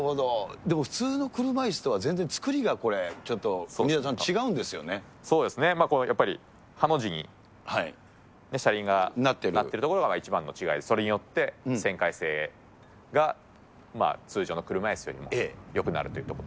でも普通の車いすとは全然、作りがこれ、そうですね、やっぱりハの字に車輪がなってるところが一番の違い、それによって旋回性が通常の車いすよりもよくなるということで。